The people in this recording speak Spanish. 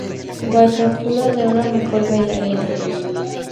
Guaicaipuro de Oro, mejor bailarina.